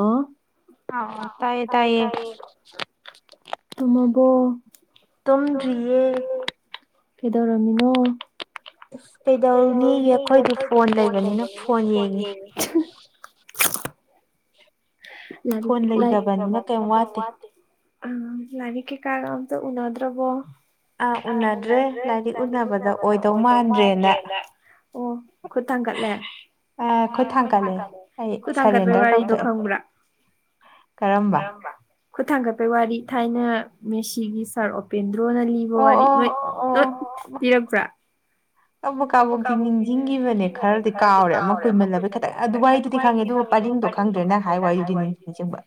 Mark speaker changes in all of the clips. Speaker 1: ꯑꯣ
Speaker 2: ꯑ ꯇꯥꯏꯌꯦ ꯇꯥꯏꯌꯦ꯫
Speaker 1: ꯇꯨꯝꯃꯕꯣ꯫ ꯀꯩꯗꯧꯔꯝꯃꯤꯅꯣ꯫ ꯀꯩꯗꯧꯅꯦꯒꯤ ꯑꯩꯈꯣꯏꯗꯤ ꯐꯣꯟ ꯂꯩꯕꯅꯤꯅ ꯐꯣꯟ ꯌꯦꯡꯉꯤ꯫ ꯂꯥꯏꯔꯤꯛ ꯂꯥꯏ ꯍꯩꯇ꯭ꯔꯕꯅꯤꫪ ꯀꯩꯝ ꯋꯥꯇꯦ꯫ ꯑꯥ ꯂꯥꯏꯔꯤꯛ ꯀꯩꯀꯥꯒ ꯑꯝꯗ ꯎꯅꯗ꯭ꯔꯕꯣ
Speaker 2: ꯑꯥ ꯎꯅꯗ꯭ꯔꯦ ꯂꯥꯏꯔꯤꯛ ꯎꯟꯅꯅꯕꯗ ꯑꯣꯏꯗꯧ ꯃꯥꯟꯗ꯭ꯔꯦꯅ
Speaker 1: ꯑꯣ ꯈꯨꯠ ꯊꯥꯡꯒꯠꯂꯦ ꯈꯨꯠ ꯊꯥꯡꯒꯠꯂꯦ ꯈꯨꯠ ꯊꯥꯡꯒꯠꯂ ꯋꯥꯔꯤꯗꯣ ꯈꯪꯕ꯭ꯔ ꯀꯔꯝꯕ ꯈꯨꯠ ꯊꯥꯡꯒꯠꯄꯩ ꯋꯥꯔꯤ ꯊꯥꯏꯅ ꯃꯦꯁꯤꯒꯤ ꯁꯥꯔ ꯑꯣꯄꯦꯟꯗ꯭ꯔꯣꯅ ꯂꯤ ꯑꯣ ꯋꯥꯔꯤ ꯅꯣꯏ ꯏꯤꯔꯛꯄ꯭ꯔꯥ
Speaker 2: ꯀꯕꯣꯛ ꯀꯥꯕꯣꯛꯇꯤ ꯅꯤꯡꯁꯤꯡꯈꯤꯕꯅꯦ ꯈꯔꯗꯤ ꯀꯥꯎꯔꯦ ꯑꯃ ꯀꯨꯏꯃꯜꯂꯕꯒꯤ ꯈꯤꯇꯪ ꯑꯗꯨ ꯋꯥꯍꯩꯗꯨꯗꯤ ꯈꯪꯉꯦ ꯑꯗꯨ ꯄꯔꯤꯡꯗꯣ ꯈꯪꯗ꯭ꯔꯦ ꯅꯪ ꯍꯥꯏ ꯋꯥꯔꯤꯗꯨ ꯅꯤꯡꯗꯤ ꯅꯤꯡꯁꯤꯡꯕ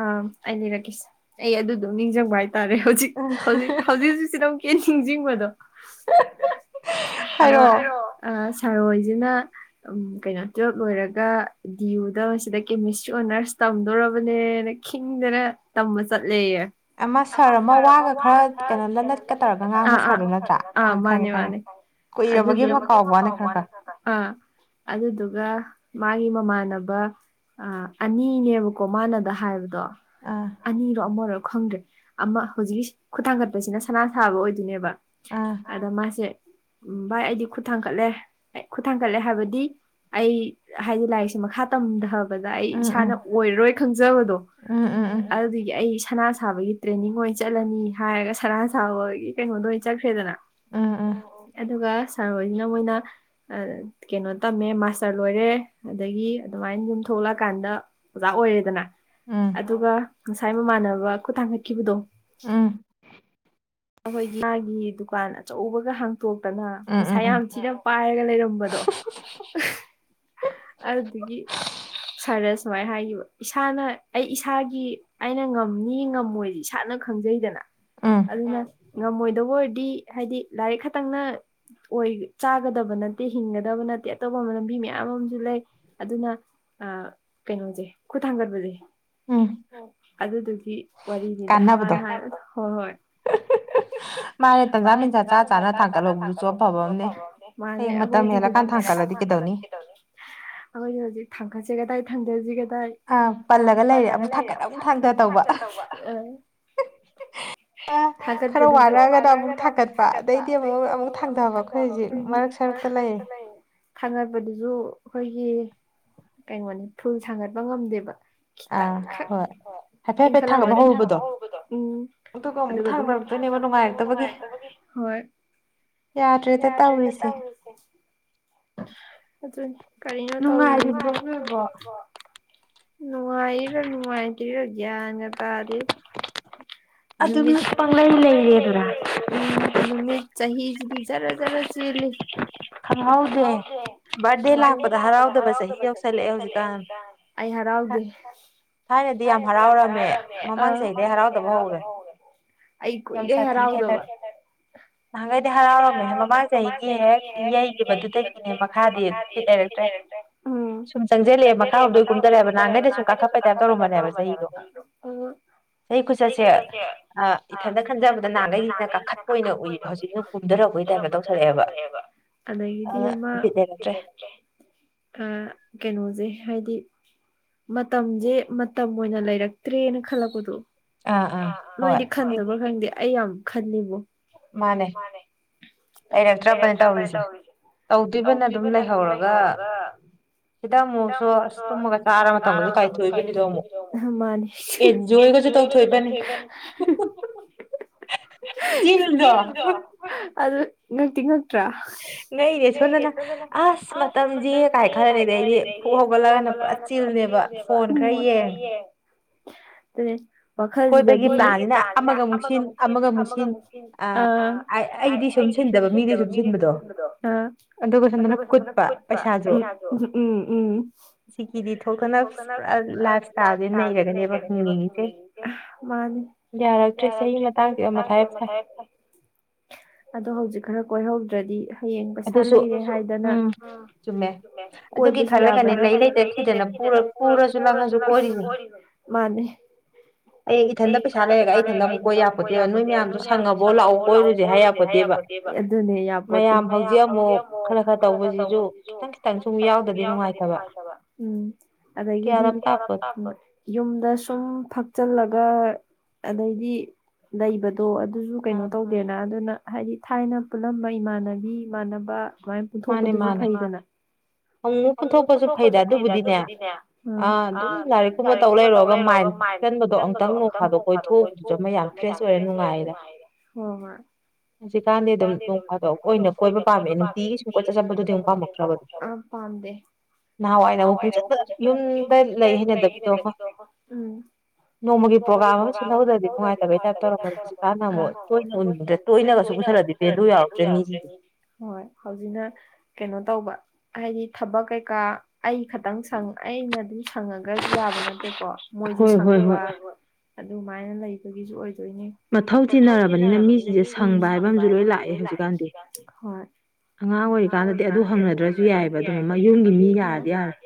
Speaker 1: ꯑꯥ ꯑꯩꯂꯤꯔꯛꯀꯦꯁꯦ ꯑꯩ ꯑꯗꯨꯗꯨꯝ ꯅꯤꯡꯁꯤꯡꯕ ꯍꯥꯏꯇꯥꯔꯦ ꯍꯧꯖꯤꯛ ꯍꯧꯖꯤꯛ ꯍꯧꯖꯤꯛ ꯍꯧꯖꯤꯛꯁꯤꯅ ꯑꯃꯨꯛ ꯏ ꯅꯤꯡꯁꯤꯡꯕꯗꯣ ꯁꯥꯔꯣꯍꯦꯏꯁꯤꯅ ꯎꯝ ꯀꯩꯅꯣ ꯇꯨꯋꯦꯜꯕ ꯂꯣꯏꯔꯒ ꯗꯤꯌꯨꯗ ꯃꯁꯤꯗ ꯀꯦꯃꯤꯁꯇ꯭ꯔꯤ ꯑꯣꯅꯔꯁ ꯇꯝꯗꯣꯔꯔꯕꯅꯦ ꯈꯤꯡꯗꯅ ꯇꯝꯕ ꯆꯠꯂꯦꯌꯦ ꯑꯃ ꯁꯥꯔ ꯑꯥꯃ ꯋꯥꯒ ꯈꯔ ꯀꯩꯅꯣ ꯂꯂꯠꯀ ꯇꯧꯔꯒ ꯃꯥꯅꯦ ꯃꯥꯅꯦ ꯑꯗꯨ ꯑꯥ ꯑꯗꯨꯗꯨꯒ ꯃꯥꯒꯤ ꯃꯃꯥꯟꯅꯕ ꯑ ꯑꯅꯤꯅꯦꯕꯀꯣ ꯃꯥꯅ ꯑꯗ ꯍꯥꯏꯕꯗꯣ ꯑꯅꯤꯔꯣ ꯑꯃꯔꯣ ꯈꯪꯗ꯭ꯔꯦ ꯑꯃ ꯍꯧꯖꯤꯛꯀꯤ ꯈꯨꯠ ꯊꯥꯡꯒꯠꯄꯁꯤꯅ ꯁꯅꯥ ꯁꯥꯕ ꯑꯣꯏꯗꯣꯏꯅꯦꯕ ꯑꯗ ꯃꯥꯁꯦ ꯎꯝ ꯚꯥꯏ ꯑꯩꯗꯤ ꯈꯨꯠ ꯊꯥꯡꯒꯠꯂꯦ ꯈꯨꯠ ꯊꯥꯡꯒꯠꯂꯦ ꯍꯥꯏꯕꯗꯤ ꯑꯩ ꯍꯥꯏꯗꯤ ꯂꯥꯏꯔꯤꯛꯁꯦ ꯃꯈꯥ ꯇꯝꯊꯛ ꯑꯩ ꯏꯁꯥꯅ ꯑꯣꯏꯔꯔꯣꯏ ꯈꯪꯖꯕꯗꯣ ꯑꯗꯨꯗꯒꯤ ꯑꯩ ꯁꯅꯥ ꯁꯥꯕꯒꯤ ꯇ꯭ꯔꯦꯅꯤꯡ ꯑꯣꯏꯅ ꯆꯠꯂꯅꯤ ꯍꯥꯏꯔꯒ ꯁꯅꯥ ꯁꯥꯕꯒꯤ ꯀꯩꯅꯣꯗ ꯑꯣꯏꯅ ꯆꯠꯈ꯭ꯔꯦꯗꯅ
Speaker 2: ꯎꯝ ꯑꯥ
Speaker 1: ꯑꯗꯨꯒ ꯁꯥꯔ ꯍꯣꯏꯁꯤꯅ ꯃꯣꯏꯅ ꯀꯩꯅꯣ ꯇꯝꯃꯦ ꯃꯥꯁꯇꯔ ꯂꯣꯏꯔꯦ ꯑꯗꯒꯤ ꯑꯗꯨꯃꯥꯏꯅ ꯌꯨꯝ ꯊꯣꯛꯂꯛꯑꯀꯥꯟꯗ ꯑꯣꯖꯥ ꯑꯣꯏꯔꯦꯗꯅ ꯑꯗꯨꯒ ꯉꯁꯥꯏ ꯃꯃꯥꯟꯅꯕ ꯈꯨꯠ ꯊꯥꯡꯒꯠꯈꯤꯕꯗꯣ
Speaker 2: ꯑꯝ
Speaker 1: ꯑꯩꯈꯣꯏꯒꯤ ꯃꯥꯒꯤ ꯗꯨꯀꯥꯟ ꯑꯆꯧꯕꯒ ꯍꯥꯡ ꯇꯣꯛꯇꯅ ꯄꯩꯁꯥ ꯌꯥꯝ ꯊꯤꯅ ꯄꯥꯏꯔꯒ ꯂꯩꯔꯝꯕꯗꯣ ꯑꯗꯨꯗꯨꯒꯤ ꯁꯥꯔꯅ ꯁꯨꯃꯥꯏꯅ ꯍꯥꯏꯈꯤꯕ ꯏꯁꯥꯅ ꯑꯩ ꯏꯁꯥꯒꯤ ꯑꯩꯅ ꯉꯝꯅꯤ ꯉꯝꯃꯣꯏꯗꯤ ꯏꯁꯥꯅ ꯈꯪꯖꯩꯗꯅ
Speaker 2: ꯑꯝ
Speaker 1: ꯑꯗꯨꯅ ꯉꯝꯃꯣꯏꯗꯕ ꯑꯣꯏꯔꯗꯤ ꯍꯥꯏꯗꯤ ꯂꯥꯏꯔꯤꯛ ꯈꯛꯇꯪꯅ ꯑꯣꯏ ꯆꯥꯒꯗꯕ ꯅꯠꯇꯦ ꯍꯤꯡꯒꯗꯕ ꯅꯠꯇꯦ ꯑꯇꯣꯞꯄ ꯂꯝꯕꯤ ꯃꯌꯥꯝ ꯑꯃꯁꯨ ꯂꯩ ꯑꯗꯨꯅ ꯑ ꯀꯩꯅꯣꯁꯦ ꯈꯨꯠ ꯊꯥꯡꯒꯠꯕꯁꯦ
Speaker 2: ꯎꯝ
Speaker 1: ꯑꯗꯨꯗꯨꯒꯤ ꯋꯥꯔꯤꯅꯤꯗ ꯃꯥꯅ ꯍꯣꯏ ꯍꯣꯏ
Speaker 2: [unintelligible] ꯃꯥꯅꯦ ꯇꯟꯖꯥ ꯃꯤꯟꯖꯥ ꯆꯥ ꯆꯥꯅ ꯊꯥꯡꯀꯠꯍꯧꯕꯗꯨꯁꯨ ꯑꯐꯕ ꯑꯃꯅꯦ ꯍꯌꯦꯡ ꯃꯇꯝ ꯍꯦꯜꯂꯀꯥꯟꯗ ꯊꯥꯡꯀꯠꯂꯗꯤ ꯀꯩꯗꯧꯅꯤ
Speaker 1: ꯑꯩꯈꯣꯏꯒꯤ ꯍꯧꯖꯤꯛ ꯊꯥꯡꯒꯠꯁꯤ ꯀꯗꯥꯏ ꯊꯥꯡꯗꯁꯤ ꯀꯗꯥꯏ
Speaker 2: ꯑ ꯄꯜꯂꯒ ꯂꯩꯔꯦ ꯑꯃꯨꯛ ꯊꯛꯀꯠ ꯑꯃꯨꯛ ꯊꯥꯡꯊ ꯇꯧꯕ
Speaker 1: ꯊꯥꯡꯀꯠ
Speaker 2: ꯈꯔ ꯋꯥꯔꯛꯑꯒꯗ ꯑꯃꯨꯛ ꯊꯥꯀꯠꯄ ꯑꯗꯩꯗꯤ ꯑꯃꯨꯛ ꯑꯃꯨꯛ ꯊꯥꯡꯊꯕ ꯑꯩꯈꯣꯏ ꯍꯧꯖꯤꯛ ꯃꯔꯛ ꯁꯔꯨꯛꯇ ꯂꯩꯔꯦ
Speaker 1: ꯊꯥꯡꯒꯠꯄꯗꯨꯁꯨ ꯑꯩꯈꯣꯏꯒꯤ ꯀꯩꯅꯣꯅꯤ ꯐꯨꯜ ꯁꯥꯥꯡꯒꯠꯄ ꯉꯝꯗꯦꯕ ꯈꯤꯇꯪꯈꯛ ꯏꯟꯈꯠꯂꯝꯕꯅꯤ ꯎꯝ ꯑꯗꯨꯒ ꯑꯗꯨꯝ [unintelligible]
Speaker 2: ꯌꯥꯗ꯭ꯔꯦꯗ ꯇꯧꯔꯤꯁꯦ
Speaker 1: ꯑꯗꯨꯅꯤ ꯀꯔꯤꯅꯣ ꯇꯧꯔꯤꯁꯦ ꯅꯨꯡꯉꯥꯏꯔꯤꯔꯥ ꯅꯨꯡꯉꯥꯏꯇꯔꯤꯔꯥ ꯒꯌ꯭ꯥꯟꯒ ꯇꯥꯗꯦꯗ
Speaker 2: ꯑꯗꯨꯝ ꯄꯪꯂꯩ ꯂꯩꯔꯦꯗꯨꯔ
Speaker 1: ꯎꯝ ꯅꯨꯃꯤꯠ ꯆꯍꯤꯁꯤꯗꯤ ꯖꯔꯖꯔ ꯆꯦꯜꯂꯤ
Speaker 2: ꯈꯪꯍꯧꯗꯦ ꯕꯥꯔꯗꯦ ꯂꯥꯛꯄꯗ ꯍꯔꯥꯎꯗꯕ ꯆꯍꯤ ꯌꯧꯁꯜꯂꯛꯑꯦ ꯍꯧꯖꯤꯛꯀꯥꯟ ꯊꯥꯏꯅꯗꯤ ꯌꯥꯝ ꯍꯔꯥꯎꯔꯝꯃꯦ ꯃꯃꯥꯡ ꯆꯍꯤꯗꯩ ꯍꯔꯥꯎꯗꯕ ꯍꯧꯔꯦ ꯌꯥꯝ ꯁꯥꯊꯤꯅ ꯈꯦꯠꯅꯔꯦ ꯅꯍꯥꯟꯒꯩꯗꯤ ꯍꯔꯥꯎꯔꯝꯃꯦꯍꯦ ꯃꯃꯥꯡ ꯆꯍꯤꯒꯤ ꯍꯦꯛ ꯌꯩꯒꯤꯕꯗꯨꯗꯒꯤꯅꯦ ꯃꯈꯥꯗꯤ ꯑꯗꯨꯝ ꯕꯤꯠ ꯂꯩꯔꯛꯇ꯭ꯔꯦ ꯁꯨꯝ ꯆꯪꯁꯤꯜꯂꯛꯑꯦ
Speaker 1: ꯃꯈꯥꯔꯣꯝꯗꯩ ꯀꯨꯝꯗꯔꯦꯕ ꯅꯍꯥꯟꯈꯩꯗꯤ ꯁꯨꯝ ꯀꯥꯈꯠꯄꯩ ꯇꯥꯏꯞ ꯇꯧꯔꯝꯕꯅꯦꯕ ꯆꯍꯤꯗꯣ
Speaker 2: ꯆꯍꯤ ꯈꯨꯆꯠꯁꯦ ꯑ ꯏꯊꯟꯇ ꯈꯟꯖꯕꯗ ꯅꯍꯥꯟꯒꯩꯅ ꯀꯥꯈꯠꯄ ꯑꯣꯏꯅ ꯎꯏꯕ ꯍꯧꯖꯤꯛꯅ ꯀꯨꯝꯊꯔꯛꯄꯩ ꯇꯥꯏꯞꯇ ꯇꯧꯁꯤꯜꯂꯛꯑꯦꯕ
Speaker 1: ꯑꯗꯒꯤꯗꯤ ꯑꯃ ꯑ ꯀꯩꯅꯣꯁꯦ ꯍꯥꯏꯗꯤ ꯃꯇꯝꯁꯦ ꯃꯇꯝ ꯑꯣꯏꯅ ꯂꯩꯔꯛꯇ꯭ꯔꯦꯅ ꯈꯜꯂꯛꯄꯗꯣ ꯅꯣꯏꯗꯤ ꯈꯟꯗꯕ꯭ꯔꯥ ꯈꯪꯗꯦ ꯑꯩ ꯌꯥꯝ ꯈꯜꯂꯤꯕꯣ
Speaker 2: ꯃꯥꯅꯦ
Speaker 1: ꯃꯥꯅꯦ ꯂꯩꯔꯛꯇ꯭ꯔꯕꯅ ꯇꯧꯔꯤꯁꯦ ꯇꯧꯗ꯭ꯔꯤꯕꯅ ꯑꯗꯨꯝ ꯂꯩꯍꯧꯔꯒ ꯁꯤꯗꯥ ꯑꯃꯨꯛꯁꯨ ꯇꯨꯝꯕꯒ ꯆꯥꯔ ꯃꯥꯇꯝꯒꯁꯨ ꯀꯥꯏꯊꯣꯛꯏꯅꯦ [unintelligible] ꯑꯗꯨ ꯉꯛꯇꯤ ꯉꯛꯇ꯭ꯔꯥ
Speaker 2: ꯉꯛꯏꯅꯦ ꯁꯣꯝꯗꯅ ꯑꯁ ꯃꯇꯝꯁꯤ ꯀꯥꯏ ꯈꯜꯂꯅꯤ ꯑꯗꯩꯗꯤ ꯐꯨꯛ ꯍꯧꯒꯠꯂꯒꯅ ꯄꯨꯔꯥ ꯆꯤꯜꯅꯦꯕ ꯐꯣꯟ ꯈꯔ ꯌꯦꯡ
Speaker 1: ꯑꯗꯨꯅꯦ ꯋꯥꯈꯜꯁꯤꯗꯗꯤ ꯄ꯭ꯂꯥꯟꯁꯤꯅ ꯑꯃꯒꯃꯨꯛ ꯁꯤꯟ ꯑꯃꯒꯃꯨꯛ ꯁꯤꯟ ꯑꯩꯗꯤ ꯁꯨꯝ ꯁꯤꯟꯗꯕ ꯃꯤꯁꯨꯝ ꯁꯤꯟꯕꯗꯣ ꯑꯗꯨꯒ ꯁꯣꯝꯗꯅ [unintelligible]
Speaker 2: ꯁꯤꯀꯤꯗꯤ ꯊꯣꯛꯇꯅ ꯄꯨꯔꯥ ꯂꯥꯏꯐ ꯏꯁꯇꯥꯏꯜꯁꯦ ꯅꯩꯔꯒꯅꯦꯕ ꯍꯤꯡꯅꯤꯡꯉꯤꯁꯦ
Speaker 1: ꯑꯥ ꯃꯥꯅꯤ
Speaker 2: ꯌꯥꯔꯛꯇ꯭ꯔꯦ ꯆꯍꯤ ꯃꯇꯥꯡꯁꯤꯒ ꯃꯊꯥ ꯌꯥꯝ ꯁꯥꯏ
Speaker 1: ꯑꯗꯣ ꯍꯧꯖꯤꯛ ꯈꯔ ꯀꯣꯏꯍꯧꯗ꯭ꯔꯗꯤ ꯍꯌꯦꯡ ꯄꯩꯁꯥ ꯂꯩꯔꯦ ꯍꯥꯏꯗꯅ ꯀꯣꯏꯕꯁꯨ ꯌꯥꯕ ꯅꯠꯇꯦ ꯄꯨꯔꯁꯨ ꯂꯪꯉꯁꯨ ꯀꯣꯏꯔꯤꯕꯅꯤ ꯃꯥꯟꯅꯤ
Speaker 2: ꯑꯩ ꯏꯊꯟꯇ ꯄꯩꯁꯥ ꯂꯩꯔꯒ ꯑꯩ ꯏꯊꯟꯇ ꯑꯃꯨꯛ ꯀꯣꯏ ꯌꯥꯛꯄꯣꯟꯇꯦ ꯅꯣꯏ ꯃꯌꯥꯝꯁꯨ ꯁꯪꯉꯕ
Speaker 1: ꯁꯪꯉꯕꯣ ꯂꯥꯛꯑꯣ ꯀꯣꯏꯔꯨꯁꯦ ꯍꯥꯏ ꯌꯥꯄꯣꯟꯇꯦꯕ ꯌꯥꯝ ꯍꯧꯖꯤꯛ ꯑꯃꯨꯛ ꯈꯔ ꯈꯔ ꯇꯧꯕꯁꯤꯁꯨ ꯈꯤꯇꯪ ꯈꯤꯇꯪ ꯁꯨꯝ ꯌꯥꯎꯗꯗꯤ ꯅꯨꯡꯉꯥꯏꯇꯕ ꯎꯝ ꯑꯗꯒꯤꯗꯤ ꯌꯨꯝꯗ ꯁꯨꯝ ꯐꯛꯆꯜꯂꯒ ꯑꯗꯩꯗꯤ ꯂꯩꯕꯗꯣ ꯑꯗꯨꯁꯨ ꯀꯩꯅꯣ ꯇꯧꯗꯦꯅ ꯑꯗꯨꯅ ꯍꯥꯏꯗꯤ ꯊꯥꯏꯅ ꯄꯨꯜꯂꯝꯕ ꯏꯃꯥꯟꯅꯕꯤ ꯏꯃꯥꯟꯅꯕ ꯑꯗꯨꯃꯥꯏ ꯄꯨꯟꯊꯣꯛꯄꯗꯨꯁꯨ ꯐꯩꯗꯅ ꯑꯃꯨꯃꯨꯛ ꯄꯨꯟꯊꯣꯛꯄꯁꯨ ꯐꯩꯗ ꯑꯗꯨꯕꯨꯗꯤꯅꯦ ꯑ ꯑꯗꯨꯝ ꯂꯥꯏꯔꯤꯛ ꯀꯨꯝꯕ ꯇꯧ ꯂꯩꯔꯣꯒꯥꯏ ꯆꯟꯕꯗꯣ ꯑꯃꯨꯛꯇꯪ ꯅꯣꯡꯐꯥꯗꯣꯛ ꯀꯣꯏꯊꯣꯛꯎꯕꯗꯥ ꯌꯥꯝ ꯐ꯭ꯔꯦꯁ ꯑꯣꯏꯔ ꯅꯨꯡꯉꯥꯏꯔꯦ
Speaker 2: ꯍꯧꯖꯤꯛꯀꯥꯟꯗꯤ ꯑꯗꯨꯝ ꯅꯣꯡꯐꯥꯗꯣꯀ ꯑꯣꯏꯅ ꯀꯣꯏꯕ ꯄꯥꯝꯃꯦꯅ
Speaker 1: ꯄꯥꯝꯗꯦ ꯅꯍꯥꯟꯋꯥꯏꯅ ꯑꯃꯨꯛ ꯈꯣꯏꯁꯦ ꯈꯔꯥ ꯌꯨꯝꯁ ꯂꯩ ꯍꯩꯅꯗꯕꯤꯗꯣ ꯑꯃꯥ
Speaker 2: ꯅꯣꯡꯃꯒꯤ ꯄ꯭ꯔꯣꯒꯥ꯭ꯔꯥꯝ ꯑꯃ ꯁꯤꯜꯍꯧꯗ꯭ꯔꯗꯤ ꯅꯨꯡꯉꯥꯏꯇꯕꯩ ꯇꯥꯏꯞ ꯇꯧꯔꯝꯝꯕꯗꯣ ꯍꯧꯖꯤꯛꯀꯥꯟꯅ ꯑꯃꯨꯛ ꯇꯣꯏꯅ ꯎ ꯇꯣꯏꯅꯒꯁꯨ ꯄꯨꯁꯜꯂꯗꯤ ꯕꯦꯂꯨ ꯌꯥꯎꯔꯛꯇꯔꯦ ꯃꯤꯖꯦ
Speaker 1: ꯍꯣꯏ ꯍꯧꯖꯤꯛꯅ ꯀꯩꯅꯣ ꯇꯧꯕ ꯍꯥꯏꯗꯤ ꯊꯕꯛ ꯀꯩꯀꯥ ꯑꯩ ꯈꯇꯪ ꯁꯪ ꯑꯩꯅ ꯑꯗꯨꯝ ꯁꯪꯉꯒꯁꯨ ꯌꯥꯕ ꯅꯠꯇꯦꯀꯣ ꯃꯣꯏꯁꯨ ꯁꯪꯕ ꯑꯗꯨꯃꯥꯏꯅ ꯂꯩꯕꯒꯤꯁꯨ ꯑꯣꯏꯗꯣꯏꯅꯦ ꯃꯊꯧ ꯆꯤꯟꯅꯔꯕꯅꯤꯅ ꯃꯤꯁꯤꯡꯁꯦ ꯁꯪꯕ ꯍꯥꯏꯕ ꯑꯃꯁꯨ ꯂꯣꯏ ꯂꯥꯛꯏ ꯍꯧꯖꯤꯛꯀꯟꯖꯦ
Speaker 2: ꯑꯉꯥꯡ ꯑꯣꯏꯔꯤꯀꯥꯟꯗꯗꯤ ꯑꯗꯨ ꯍꯪꯅꯗ꯭ꯔꯁꯨ ꯌꯥꯏꯌꯦꯕ ꯑꯗꯨꯝ ꯑꯃ ꯌꯨꯝꯒꯤ ꯃꯤ ꯌꯥꯔꯗꯤ ꯌꯥꯔꯦ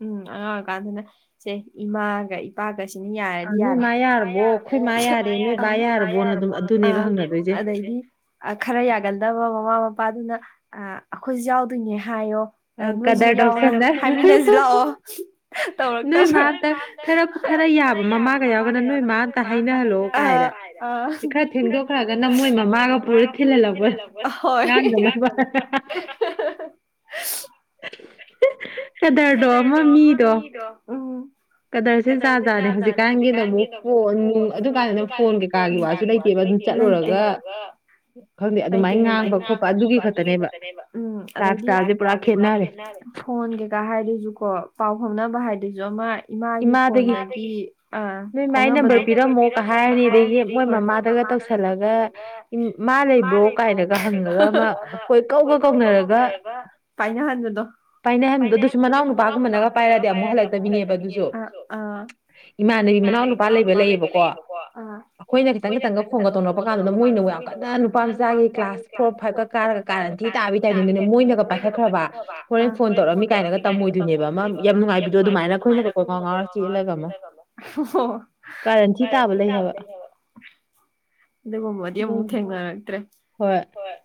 Speaker 1: ꯎꯝ ꯑ ꯀꯥꯟꯗꯅ ꯁꯦ ꯏꯃꯥꯒ ꯄꯒꯁꯤꯅꯤ ꯌꯥꯔꯗꯤ ꯌꯥꯔ ꯃꯔꯔꯕꯣ ꯃꯥ ꯃꯥꯔꯔꯕꯣ ꯑ ꯑꯗꯥꯏꯗꯤ ꯈꯔ ꯌꯥꯒꯟꯗꯕ ꯃꯃꯥ ꯃꯄꯥꯗꯨꯅ ꯑ ꯑꯩꯈꯣꯏꯁꯨ ꯌꯥꯎꯗꯣꯏꯅꯦ ꯍꯥꯏꯌꯣ ꯅꯣꯏꯁꯨ ꯌꯥꯎꯔ ꯍꯥꯏꯃꯤꯟꯅꯁꯤ ꯂꯥꯛꯑꯣ ꯇꯧꯔꯛꯇꯧ ꯈꯔ ꯌꯥꯕ ꯃꯃꯥꯒ ꯌꯥꯎꯒꯅ ꯅꯣꯏ ꯃꯥ ꯑꯝꯇ ꯍꯩꯅꯔ ꯍꯥꯏꯔ ꯗ ꯀꯅ ꯃꯣꯏ ꯃꯃꯥ ꯑ ꯄꯨꯔꯁꯤꯦ ꯂꯧ ꯍ ꯀꯗꯔ ꯔ ꯑꯃ ꯃꯤꯔ ꯎ
Speaker 2: ꯆꯥꯔꯖꯥꯔꯅꯦ ꯍꯧꯖꯤꯛꯀꯥꯟꯒꯤꯅ ꯑꯃꯨꯛ ꯐꯣꯟ ꯅꯨꯡ ꯑꯗꯨꯀꯥꯟꯗꯅ ꯐꯣꯟ ꯀꯩꯀꯥꯒꯤ ꯋꯥꯁꯨ ꯂꯩꯇꯦ ꯀꯦꯕ ꯑꯗꯨꯝ ꯆꯠꯂꯨꯔꯒ ꯈꯪꯗꯦ ꯑꯗꯨꯃꯥꯏꯅ ꯉꯥꯡꯕ ꯈꯣꯠꯄ ꯑꯗꯨꯒꯤ ꯈꯛꯇꯅꯦꯕ ꯂꯥꯏꯐ ꯏꯁꯇꯥꯏꯜꯁꯦ ꯄꯨꯔꯥ ꯈꯦꯠꯅ
Speaker 1: ꯈꯦꯅ ꯐꯣꯟ ꯀꯩꯀꯥ ꯍꯥꯏꯗꯣꯏꯁꯨ ꯀꯣ ꯄꯥꯎ ꯐꯥꯎꯅꯕ ꯍꯥꯏꯗꯣꯏꯁꯨ ꯑꯃ ꯏꯃꯥꯒꯤ ꯐꯣꯟꯗꯗꯒꯤ ꯑ ꯐꯥꯎ ꯅꯝꯕꯔꯗ ꯅꯝꯕꯔ ꯄꯤꯔꯝꯃꯣꯪꯣꯏ ꯃꯃꯥꯗ ꯀꯧꯁꯜꯂꯒ ꯎ ꯃꯥ ꯂꯩꯕ꯭ꯔꯣ ꯀꯥꯏꯔꯒ ꯀꯈꯣꯏ ꯀ ꯀꯧꯅꯔꯒ ꯄꯥꯏꯅ ꯍꯥꯏꯥꯟꯗꯗꯣ
Speaker 2: ꯄꯥꯏꯅꯩ ꯍꯥꯏꯟꯕꯗꯣ ꯑꯗꯨꯁꯨ ꯃꯅꯥꯎ ꯅꯨꯄꯥꯒꯨꯝꯕꯅꯒ ꯄꯥꯏꯔꯗꯤ ꯑꯃꯨꯛ ꯍꯜꯂꯛꯇꯕꯤꯅꯦꯕ ꯑꯗꯨꯁꯨ
Speaker 1: ꯑ ꯑꯥ
Speaker 2: ꯏꯃꯥꯟꯅꯕꯤ ꯃꯅꯥꯎ ꯅꯨꯄꯥ ꯂꯩꯕ ꯂꯩꯌꯦꯕꯀꯣ ꯑꯩꯈꯣꯏꯅ ꯈꯤꯇꯪ ꯈꯤꯇꯪꯒ ꯐꯣꯟꯒ ꯇꯧꯅꯔꯄ ꯀꯥꯟꯗꯨꯗ ꯃꯣꯏꯅ ꯋꯥ ꯐꯖꯅ ꯅꯨꯄꯥ ꯃꯆꯥꯒꯤ ꯀ꯭ꯂꯥꯁ ꯐꯣꯔ ꯐꯥꯏꯚꯀ ꯀꯥꯔꯒ ꯀꯥꯔ ꯊꯤ ꯇꯥꯕ ꯇꯥꯏꯕꯅꯤꯅꯦ ꯃꯣꯏꯅꯒ ꯄꯥꯏꯈꯠꯈ꯭ꯔꯕ ꯍꯣꯔꯦꯟ ꯐꯣꯟ ꯇꯧꯔꯛꯝꯃꯤ ꯀꯥꯏꯅꯒ ꯇꯝꯃꯣꯏꯅꯦꯕ ꯃꯥ ꯌꯥꯝ ꯅꯨꯡꯉꯥꯏꯕꯗꯣ ꯑꯗꯨꯃꯥꯏꯅ ꯑꯩꯈꯣꯏꯅ
Speaker 1: ꯑꯩꯈꯣꯏꯅ ꯉꯔ ꯂꯩꯔꯝꯃꯦ ꯀꯔꯦꯟ ꯊꯤ ꯇꯥꯕ ꯂꯩꯕ ꯑꯗꯨꯒ ꯃꯔꯤ ꯃꯨꯛ ꯍꯦ ꯍꯥꯏꯇ꯭ꯔꯦ
Speaker 2: ꯍꯣꯏ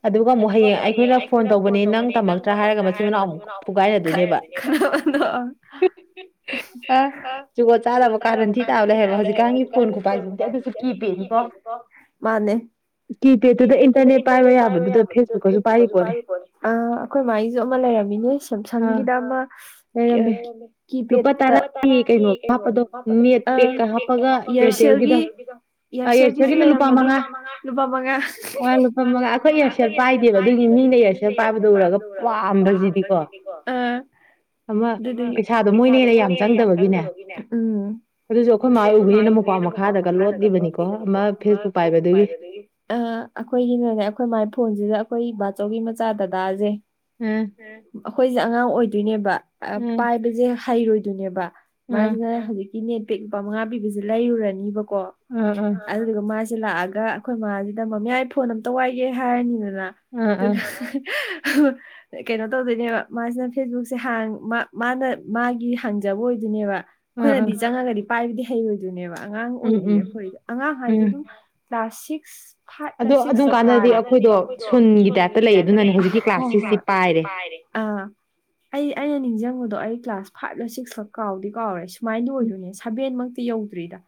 Speaker 2: ꯑꯗꯨꯒ ꯑꯃꯨꯛ ꯍꯌꯦꯡ ꯑꯩꯈꯣꯏꯅ ꯐꯣꯟ ꯇꯧꯕꯅꯦ ꯅꯪ ꯇꯝꯃꯛꯇ꯭ꯔꯥ ꯍꯥꯏꯔꯒ ꯃꯁꯤ ꯃꯅꯥꯎ ꯑꯃꯨꯛ
Speaker 1: ꯑ ꯑꯗꯨꯒ ꯇꯥꯂꯕ ꯀꯥꯟꯅꯗꯤ ꯇꯥꯔ ꯍꯥꯏꯕ ꯍꯧꯖꯤꯛꯀꯥꯟꯒꯤ ꯐꯣꯟ ꯀꯥꯗꯤ ꯑꯗꯨꯁꯨ ꯀꯤ ꯄꯗ ꯃꯥꯅꯦ ꯀꯤ ꯄꯦꯗꯇꯨꯗ ꯏꯟꯇꯔꯅꯦꯠ ꯄꯥꯏꯕ ꯌꯥꯕꯗꯨꯗ ꯐꯦꯁꯕꯨꯛꯀꯁꯨ ꯄꯥꯏꯔꯤꯕꯣꯅꯦ ꯑꯩꯈꯣꯏꯥꯏ ꯂꯩꯔꯝ ꯅꯦ ꯁꯦꯝꯁꯪꯒꯤꯗ ꯑꯃ ꯀꯤꯄꯦꯗ
Speaker 2: ꯀꯩꯅꯣꯒ ꯍꯥꯞꯄꯗꯣ ꯅꯦꯠ ꯄꯦꯛꯀ ꯍꯥꯞꯄꯒ ꯑꯦꯌꯥꯔꯇꯦꯜꯒꯤꯗ ꯌꯥꯔꯁꯦꯠꯒꯤꯅ ꯂꯨꯄꯥ ꯃꯉꯥ ꯂꯨꯄꯥ ꯃꯉꯥ ꯑꯩꯈꯣꯏ ꯑꯦꯔꯁꯦꯠ ꯄꯥꯏꯗꯦꯕ ꯑꯗꯨꯒꯤ ꯃꯤꯅ ꯏꯔꯁꯦꯠ ꯩꯁꯟ ꯄꯥꯏꯕꯗ ꯎꯔꯒ ꯄꯥꯝꯕꯁꯤꯗꯤ
Speaker 1: ꯑꯗꯨ ꯄꯩꯁꯥꯗꯣ ꯃꯣꯏ ꯑꯩꯅ ꯌꯥꯝ ꯆꯪꯗꯕꯒꯤꯅꯦ
Speaker 2: ꯑꯗꯨꯁꯨ ꯑꯩꯈꯣꯏ ꯃꯥꯏ ꯎꯕꯅꯤꯅ ꯃꯄꯥꯎ ꯃꯈꯥꯗꯒ ꯂꯣꯠꯂꯤꯕꯅꯤꯀꯣ ꯑꯃ ꯐꯦꯁꯕꯨꯛ ꯄꯥꯏꯕꯗꯨꯒꯤ
Speaker 1: ꯑ ꯑꯩꯈꯣꯏꯒꯤꯅꯦꯅꯦ ꯑꯩꯈꯣꯏ ꯃꯥꯏ ꯐꯣꯟꯁꯤꯗ ꯑꯩꯈꯣꯏ ꯏꯕꯥꯆꯧꯒꯤ ꯃꯆꯥ ꯗꯗꯥꯁꯦ
Speaker 2: ꯎꯝ
Speaker 1: ꯑꯩꯈꯣꯏꯁꯦ ꯑꯉꯥꯡ ꯑꯣꯏꯗꯣꯏꯅꯦꯕ ꯄꯥꯏꯕꯁꯦ ꯍꯩꯔꯣꯏꯗꯣꯏꯅꯦꯕ ꯃꯥꯁꯤꯅꯅꯦ ꯍꯧꯖꯤꯛꯀꯤ ꯅꯦꯠꯕꯦꯛ ꯂꯨꯄꯥ ꯃꯉꯥ ꯄꯤꯕꯁꯦ ꯂꯩꯔꯨꯔꯅꯤꯕꯀꯣ ꯑꯗꯨꯒ ꯃꯥꯁꯦ ꯂꯥꯛꯑꯒ ꯑꯩꯈꯣꯏ ꯃꯥꯃꯥꯁꯤꯗ ꯃꯃꯌꯥꯏ ꯐꯣꯟ ꯑꯝꯇ ꯋꯥꯏꯒꯦ ꯍꯥꯏꯔꯅꯤꯗꯅ ꯀꯩꯅꯩꯅꯣ ꯇꯧꯗꯣꯏꯅꯦꯕ ꯃꯥꯁꯤꯅ ꯐꯦꯁꯕꯨꯛꯁꯦ ꯃꯥꯅ ꯃꯥꯒꯤ ꯍꯥꯡꯖꯕ ꯑꯣꯏꯗꯣꯏꯅꯦꯕ ꯑꯩꯈꯣꯏꯅꯗꯤ ꯆꯪꯉꯒꯗꯤ ꯄꯥꯏꯕꯗꯤ ꯍꯩꯔꯣꯏꯗꯣꯏꯅꯦꯕ ꯑꯉꯥꯡ ꯑꯣꯏꯔꯤꯌꯦ ꯑꯩꯈꯣꯏ ꯑꯉꯥꯡ ꯍꯥꯏꯁꯦ ꯑꯗꯨꯝ ꯀ꯭ꯂꯥꯁ ꯁꯤꯛꯁ
Speaker 2: ꯑꯗꯣ ꯑꯗꯨꯀꯥꯟꯗꯗꯤ ꯑꯩꯈꯣꯏꯗꯣ ꯁꯨꯟꯒꯤ ꯇꯥꯏꯞꯇ ꯂꯩ ꯑꯗꯨꯅꯅꯦ ꯍꯧꯖꯤꯛꯀꯤ ꯀ꯭ꯂꯥꯁꯁꯤꯁꯁꯤ ꯄꯥꯏꯔꯦ
Speaker 1: ꯑꯥ ꯑꯩ ꯑꯩꯅ ꯅꯤꯡꯁꯤꯡꯕꯗꯣ ꯑꯩ ꯀ꯭ꯂꯥꯁ ꯐꯥꯏꯚꯂ ꯁꯤꯛꯁꯂ ꯀꯥꯎꯗꯤ ꯀꯥꯎꯔꯦ ꯁꯨꯃꯥꯏꯅꯗ ꯑꯣꯏꯗꯣꯏꯅꯦ ꯁꯕꯦꯟꯃꯛꯇꯤ ꯌꯧꯗ꯭ꯔꯤꯗ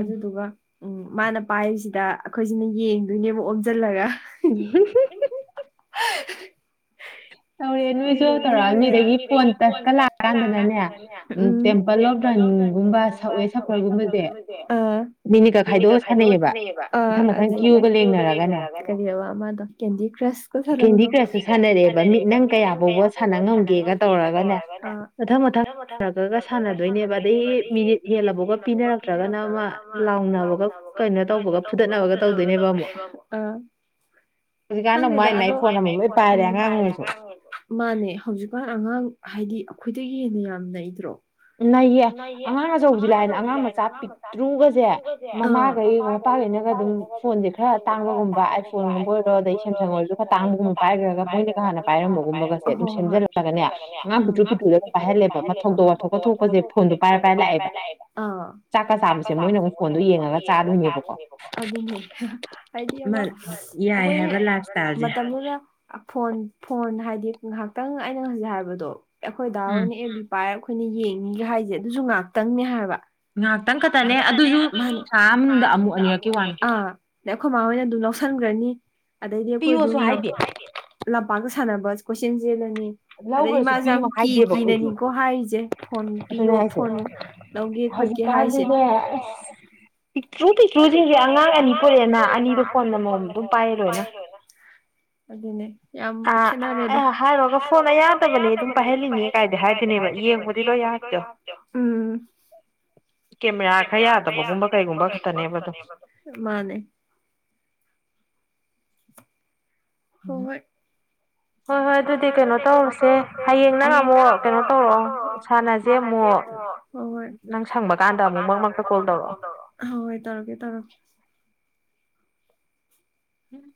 Speaker 1: ꯑꯗꯨꯗꯨꯒ ꯎꯝ ꯃꯥꯅ ꯄꯥꯏꯔꯤꯁꯤꯗ ꯑꯩꯈꯣꯏꯁꯤꯅ ꯌꯦꯡꯗꯣꯏꯅꯦꯕ ꯑꯣꯝꯁꯤꯜꯂꯒ
Speaker 2: ꯁꯦ
Speaker 1: ꯑ ꯃꯤ ꯂꯩ ꯄꯟ ꯆꯇꯥ ꯂ ꯔꯥꯡꯒꯅꯅ ꯇꯦꯝꯄꯜ ꯑꯣꯐ ꯂ꯭ꯔꯅꯤꯡꯒꯨꯝꯕ ꯁꯛꯑꯦ ꯁꯛꯄꯜꯒꯨꯝꯕꯁꯦ ꯑ ꯚꯅꯤꯒꯔ ꯈꯥꯏꯗꯣꯛꯑ ꯁꯥꯟꯅꯩꯑꯕ ꯑ ꯀ꯭ꯌꯨꯒ ꯀ ꯑꯃꯗꯣ ꯀꯦꯟꯗꯤ ꯀ꯭ꯔꯁ ꯁꯥꯟ ꯍꯤꯟ ꯗꯣ ꯀꯦꯟꯗꯤ ꯀ꯭ꯔꯁ ꯁꯥꯟꯅꯔꯦ ꯅꯪ ꯀꯌꯥ ꯐꯥꯎꯕ ꯁꯥꯟꯅ ꯉꯝꯒꯦꯅ ꯇꯧꯔꯒꯅꯦ ꯑ ꯃꯊꯪ- ꯃꯊꯪ
Speaker 2: ꯌꯥꯒꯒ ꯁꯥꯟꯅꯗꯣꯏꯅꯦꯕ ꯑꯗꯩ ꯃꯤꯅꯤꯠ ꯍꯦꯜꯂꯐꯧꯒ ꯄꯤꯅꯔꯛꯇ꯭ꯔꯒꯅ ꯑꯃ ꯂꯥꯎꯅꯕꯒ ꯀꯩꯅꯣ ꯇꯧꯕꯒ ꯐꯨꯗꯠꯅꯕꯒ ꯇꯧꯗꯣꯏꯅꯦꯕ ꯑꯃꯨꯛ
Speaker 1: ꯑꯥ
Speaker 2: ꯍꯧꯖꯤꯛꯀꯥꯟꯗ ꯑꯃꯨꯛ ꯃꯥꯏ- ꯃꯥꯏ ꯐꯣꯟ ꯑꯃꯃꯨꯛ ꯂꯣꯏ ꯄꯥꯏꯔꯦ ꯑꯉꯥꯡ ꯑꯣꯏꯔꯁꯨ
Speaker 1: ꯃꯥꯅꯦ ꯍꯧꯖꯤꯛꯀꯥꯟ ꯑꯉꯥꯡ ꯍꯥꯏꯗꯤ ꯑꯩꯈꯣꯏꯗꯒꯤ ꯍꯦꯟꯅ ꯌꯥꯝ ꯅꯩꯗ꯭ꯔꯣ
Speaker 2: ꯅꯩꯌꯦ ꯑꯉꯥꯡ ꯑꯆꯧꯕꯗꯤ ꯂꯥꯏꯗꯅ ꯑꯉꯥꯡ ꯃꯆꯥ ꯄꯤꯛꯇ꯭ꯔꯨꯒꯁꯦ ꯃꯃꯥꯈꯩ ꯃꯄꯥꯈꯩꯅꯒ ꯑꯗꯨꯝ ꯐꯣꯟꯁꯦ ꯈꯔ ꯇꯥꯡꯕꯒꯨꯝꯕ ꯑꯥꯏꯐꯣꯟꯒꯨꯝꯕ ꯑꯣꯏꯔꯣ ꯑꯗꯩ ꯁꯦꯝꯁꯪ ꯑꯣꯏꯔꯣ ꯈꯔ ꯇꯥꯡꯕꯒꯨꯝꯕ ꯄꯥꯏꯈ꯭ꯔꯒ ꯃꯣꯏꯅꯒ ꯍꯥꯟꯅ ꯄꯥꯏꯔꯝꯕꯒꯨꯝꯕꯒꯁꯦ ꯑꯗꯨꯝ ꯁꯦꯝꯖꯤꯜꯂꯒꯅꯦ ꯑꯉꯥꯡ ꯄꯤꯇ꯭ꯔꯨ- ꯄꯤꯇꯨꯗ ꯑꯗꯨꯝ ꯄꯥꯏꯍꯜꯂꯦꯕ ꯊꯧꯗꯣꯛ ꯋꯥꯊꯣꯛꯀ ꯊꯣꯛꯄꯖꯦ ꯄꯥ
Speaker 1: ꯐꯣꯟꯗꯨ ꯄꯥꯏ ꯄꯥꯏ ꯂꯥꯏ ꯑꯦꯕꯥ ꯆꯥꯛꯄ ꯄꯥꯝꯃꯤꯁꯦ ꯃꯣꯏꯅ ꯑꯃꯨꯛ ꯐꯣꯟꯗꯣ ꯌꯦꯡꯉꯒ ꯆꯥꯗꯣꯏꯅꯦꯕꯀꯣ ꯑꯗꯨꯅꯤ ꯍꯥꯏꯗꯤ ꯑꯃꯥ ꯑꯩꯈꯣꯏ ꯃꯇꯝꯗꯨꯗ ꯐꯣꯟ ꯐꯣꯟ ꯍꯥꯏꯗꯤ ꯉꯥꯍꯥꯛꯇꯪ ꯑꯩꯅ ꯉꯖꯤꯛ ꯍꯥꯏꯕꯗꯣ ꯑꯩꯈꯣꯏꯗꯥ ꯑꯣꯏꯅ ꯄꯥꯏꯔꯞ ꯑꯩꯈꯣꯏꯅ ꯌꯦꯡꯉꯤꯒ ꯍꯥꯏꯁꯦ ꯑꯗꯨꯁꯨ ꯉꯥꯛꯇꯪꯅꯦ ꯍꯥꯏꯕ ꯉꯍꯥꯛꯇꯪ ꯈꯛꯇꯅꯦ ꯑꯗꯨꯁꯨ ꯊꯥ ꯑꯃꯅꯨꯡꯗꯥ ꯑꯃꯨ ꯑꯅꯤꯔꯛ ꯑꯥ ꯑꯗꯩ ꯑꯩꯈꯣꯏ ꯃꯥ ꯍꯣꯏꯅ ꯑꯗꯨꯝ ꯂꯧꯁꯟꯈ꯭ꯔꯅꯤ ꯑꯗꯩꯗꯤ ꯑꯩꯈꯣꯏ ꯑꯗꯨꯝ ꯂꯝ ꯂꯝꯄꯥꯛꯇꯥ ꯁꯥꯟꯅꯕ ꯀꯣꯏꯆꯦꯟ ꯆꯦꯜꯂꯅꯤ ꯑꯗꯩ ꯃꯥꯁꯦ ꯌꯥꯝ ꯀꯤ ꯀꯤꯅꯅꯤꯀꯣ ꯍꯥꯏꯔꯤꯁꯦ ꯐꯣꯟꯅꯤ ꯄꯤꯌꯣ ꯐꯣꯟ ꯂꯧꯒꯦ ꯈꯣꯠꯀꯦ ꯍꯥꯏꯁꯦ
Speaker 2: ꯑ ꯄꯤꯛꯇ꯭ꯔꯨ ꯄꯤꯛꯈꯩꯁꯤꯡꯁꯦ ꯑꯉꯥꯡ ꯑꯅꯤ ꯄꯨꯔꯛꯑꯦꯅꯥ ꯑꯅꯤꯗꯣ ꯐꯣꯟ ꯑꯃꯃꯝ ꯑꯗꯨꯝ ꯄꯥꯏ ꯂꯣꯏꯅ
Speaker 1: ꯑꯗꯨꯅꯦ ꯌꯥꯝ ꯈꯦꯠꯅꯥꯕꯗꯣ ꯑꯩ ꯍꯥꯏꯔꯨꯔꯒ ꯐꯣꯟꯅ ꯌꯥꯗꯕꯅꯤ ꯑꯗꯨꯝ ꯄꯥꯏꯍꯜ ꯂꯤꯅꯦ ꯀꯥꯏꯗꯤ ꯍꯥꯏꯔꯛꯀꯅꯤꯕꯥ ꯌꯦꯡꯕꯗꯤ ꯂꯣꯏ ꯌꯥꯕꯗꯨ ꯎꯝ
Speaker 2: ꯀꯦꯃꯦꯔꯥ ꯈꯔ ꯌꯥꯗꯕꯒꯨꯝꯕ ꯀꯩꯒꯨꯝꯕ ꯈꯛꯇꯅꯦꯕ ꯑꯗꯨꯝ
Speaker 1: ꯅꯦꯕꯥ ꯑꯗꯨꯝ ꯃꯥꯟꯅꯦ ꯍꯣꯏ ꯍꯣꯏ ꯍꯣꯏ ꯍꯣꯏ ꯑꯗꯨꯗꯤ ꯀꯩꯅꯣ ꯇꯧꯔꯁꯦ ꯍꯌꯦꯡꯂꯥ ꯑꯃꯨꯛ ꯀꯩꯅꯣ ꯇꯧꯔꯛꯑꯣ ꯁꯥꯟꯅꯁꯦ ꯑꯃꯨꯛ ꯍꯣꯏ ꯍꯣꯏ ꯅꯪ ꯁꯪꯕ ꯀꯥꯟꯗ ꯑꯃꯨ ꯃꯔꯛ ꯃꯔꯛꯇꯥ ꯀꯣꯜ ꯇꯧꯔꯛꯑꯣ ꯍ ꯍꯣꯏ ꯇꯧꯔꯛꯀꯦ ꯇꯧꯔꯛꯀꯦ
Speaker 2: ꯎꯝ